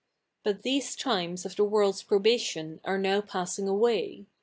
But these times of the world'' s probation are now passing away.